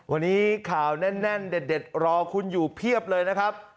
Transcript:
วันนี้ข่าวแน่นเด็ดรอคุณอยู่เพียบเลยนะครับ